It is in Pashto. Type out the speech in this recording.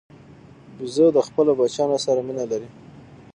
بیزو د خپلو بچیانو سره مینه لري.